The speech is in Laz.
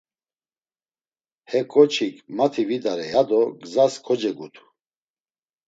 He k̆oçik mati vidare ya do gzas kocegutu.